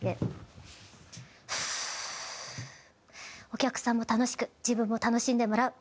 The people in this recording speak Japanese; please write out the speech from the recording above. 「お客さんも楽しく自分も楽しんでもらう」。